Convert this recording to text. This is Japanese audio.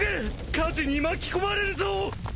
火事に巻き込まれるぞ！